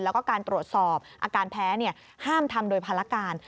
แล้วก็การตรวจสอบอาการแพ้ห้ามทำโดยภารการ